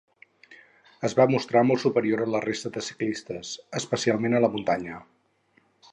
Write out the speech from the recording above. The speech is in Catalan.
Es va mostrar molt superior a la resta de ciclistes, especialment a la muntanya.